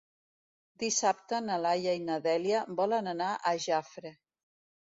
Dissabte na Laia i na Dèlia volen anar a Jafre.